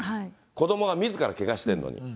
子どもがみずからけがしてるのに。